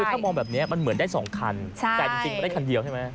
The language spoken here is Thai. คือถ้ามองแบบนี้มันเหมือนได้๒คันแต่จริงมันได้คันเดียวใช่ไหม